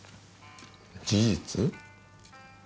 事実？